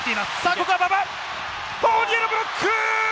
ここは馬場、フォーニエのブロック！